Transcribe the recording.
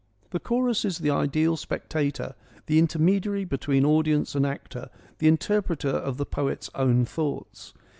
The chorus is the ideal spectator, the intermediary between audience and actor, the interpreter of the poet's own thoughts.